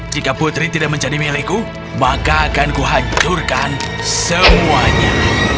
jika putri tidak menjadi milikku maka akan kuhancurkan semuanya